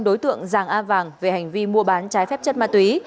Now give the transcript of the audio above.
đối tượng giàng a vàng về hành vi mua bán trái phép chất ma túy